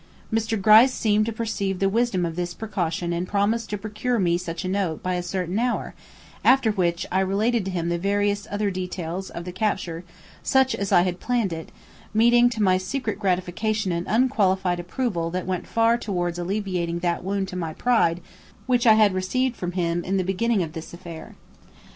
Mr. Gryce seemed to perceive the wisdom of this precaution and promised to procure me such a note by a certain hour, after which I related to him the various other details of the capture such as I had planned it, meeting to my secret gratification an unqualified approval that went far towards alleviating that wound to my pride which I had received from him in the beginning of this affair.